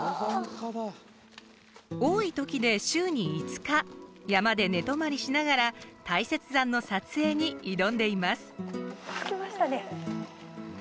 多い時で週に５日山で寝泊まりしながら大雪山の撮影に挑んでいます。